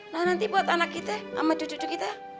nah nanti buat anak kita sama cucu cucu kita